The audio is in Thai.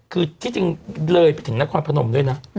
คือที่จริงเลยไปถึงนครพนมด้วยนะ